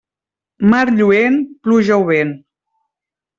Mar lluent, pluja o vent.